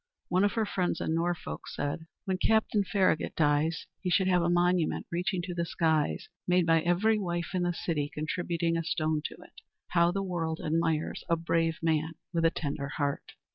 One of her friends in Norfolk said, "When Captain Farragut dies, he should have a monument reaching to the skies, made by every wife in the city contributing a stone to it." How the world admires a brave man with a tender heart!